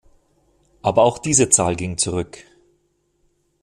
Aber auch diese Zahl ging zurück.